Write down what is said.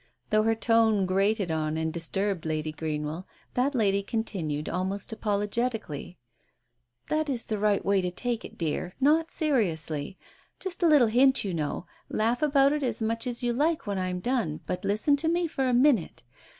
Though her tone grated on and disturbed Lady Green well, that lady continued, almost apologetically — "That is the right way to take it, dear, not seriously 1 Just a little hint, you know — laugh about it as much as you like when I am done, but listen to me for a minute.